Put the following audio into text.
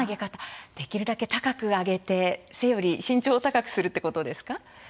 できるだけ高く上げて身長を高くするということですか。